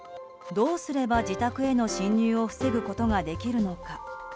どうすれば自宅への侵入を防ぐことができるのか。